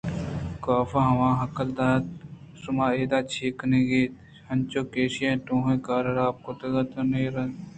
کافءَ آوان ءَہکّل دات شما اد ا چے کنگ ءَ اِت؟ انچوش کہ ایشاں ٹوہیں کارے حراب کُتگ اَتماتئی پد ءُرنداں اِدا اتکگاں